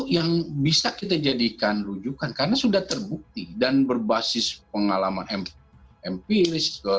yang bisa kita jadikan rujukan karena sudah terbukti dan berbasis pengalaman empiris